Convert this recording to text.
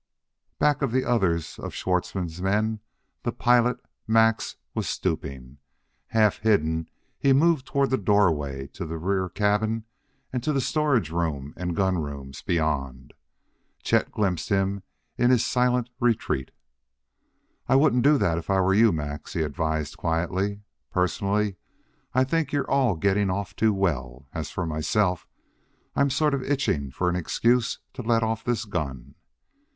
Back of the others of Schwartzmann's men, the pilot, Max, was stooping. Half hidden he moved toward the doorway to the rear cabin and to the storage room and gun rooms beyond. Chet glimpsed him in his silent retreat. "I wouldn't do that if I were you, Max," he advised quietly. "Personally, I think you're all getting off too well; as for myself, I'm sort of itching for an excuse to let off this gun."